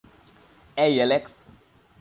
এই, এলেক্স!